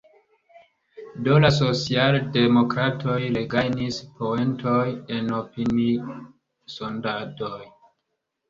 Do la socialdemokratoj regajnis poentojn en opini-sondadoj.